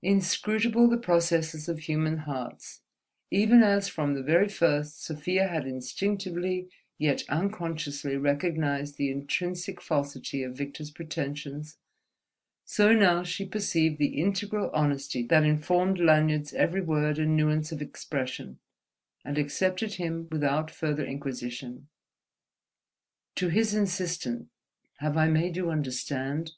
Inscrutable the processes of human hearts: even as from the very first Sofia had instinctively yet unconsciously recognized the intrinsic falsity of Victor's pretensions, so now she perceived the integral honesty that informed Lanyard's every word and nuance of expression, and accepted him without further inquisition. To his insistent "Have I made you understand?"